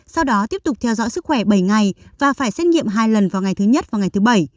sau đó tiếp tục theo dõi sức khỏe bảy ngày và phải xét nghiệm hai lần vào ngày thứ nhất và ngày thứ bảy